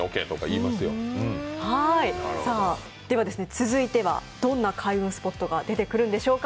続いてはどんな開運スポットが出てくるんでしょうか。